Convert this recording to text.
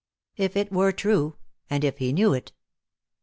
If it were true, and if he knew it.